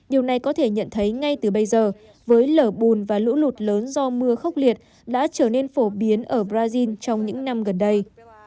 điều này có thể nhận thấy ngay từ bây giờ với lở bùn và lũ lụt lớn do mưa khốc liệt đã trở nên phổ biến ở brazil trong những năm gần đây